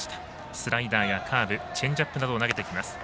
スライダーやカーブチェンジアップなどを投げてきます。